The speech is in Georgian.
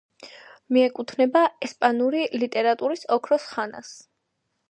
მიეკუთვნება ესპანური ლიტერატურის „ოქროს ხანას“.